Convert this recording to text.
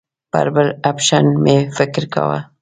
پر بل اپشن مې فکر کاوه.